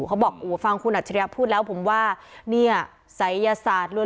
วันนั้นแออยู่เขาบอกฟังคุณอัจฉริยะพูดแล้วผมว่าเนี่ยศัยยศาสตร์